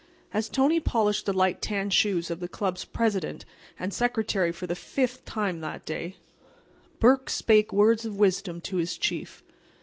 As Tony polished the light tan shoes of the club's President and Secretary for the fifth time that day, Burke spake words of wisdom to his chief.